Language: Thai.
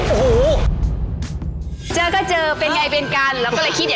ก๋วยเตี๋ยวมาผสมกับส้มตำ